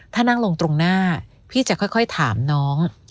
ถ้านั่งลงตรงหน้าพี่จะค่อยถามน้อง